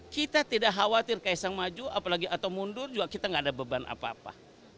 kita tidak khawatir kaysang maju atau mundur juga kita nggak ada beban apa apa